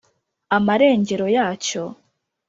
amarengero yacyo.